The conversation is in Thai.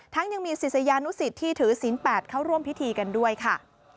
ยังมีศิษยานุสิตที่ถือศีล๘เข้าร่วมพิธีกันด้วยค่ะ